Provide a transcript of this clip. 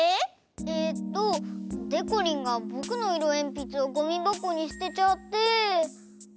えっとでこりんがぼくのいろえんぴつをゴミばこにすてちゃって。